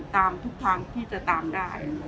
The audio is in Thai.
ทุกทางที่จะตามได้